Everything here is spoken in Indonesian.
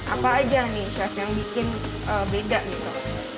apa aja nih chef yang bikin beda gitu